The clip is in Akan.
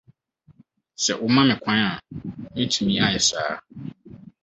Sɛ woma me kwan a, metumi ayɛ saa.